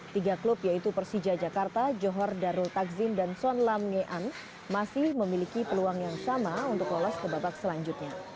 tiga klub yaitu persija jakarta johor darul takzim dan son lam ngean masih memiliki peluang yang sama untuk lolos ke babak selanjutnya